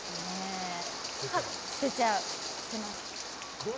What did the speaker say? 捨てちゃう、捨てます。